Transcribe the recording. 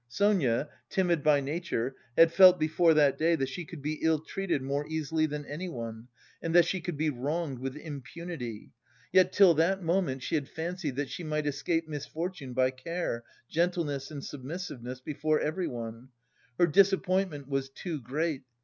Sonia, timid by nature, had felt before that day that she could be ill treated more easily than anyone, and that she could be wronged with impunity. Yet till that moment she had fancied that she might escape misfortune by care, gentleness and submissiveness before everyone. Her disappointment was too great.